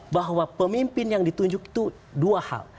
bahwa pemimpin yang ditunjuk itu dua hal